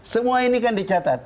semua ini kan dicatat